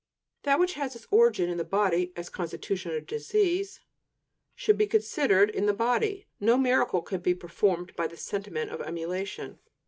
That which has its origin in the body, as constitution or disease, should be considered in the body. No miracle can be performed by the sentiment of emulation.